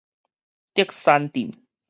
竹山鎮